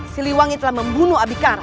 si luwangi telah membunuh habikara